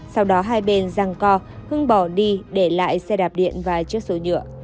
sau đó hai bên răng co hưng bỏ đi để lại xe đạp điện và chiếc xô nhựa